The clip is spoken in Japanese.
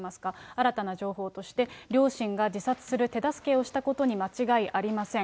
新たな情報として、両親が自殺する手助けをしたことに間違いありません。